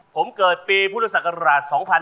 ผมเกิดปีพุทธศักดิ์อันดรัฐ๒๕๐๔